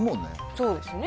そうですね。